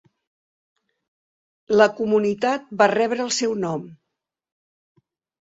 La comunitat va rebre el seu nom.